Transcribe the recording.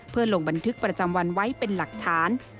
เพื่อลงบันทึกประจำวันไว้เป็นหลักฐาน